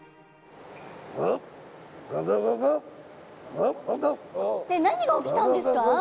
えっ何が起きたんですか？